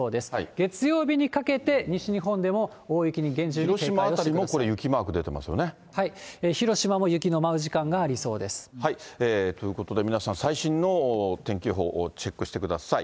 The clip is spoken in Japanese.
月曜日にかけて、西日本でも大雪広島辺りもこれ、雪マーク出広島も雪の舞う時間ありそうということで、皆さん、最新の天気予報をチェックしてください。